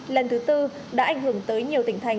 lần thứ tư đã ảnh hưởng tới nhiều tỉnh thành